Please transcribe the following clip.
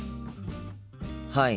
はい。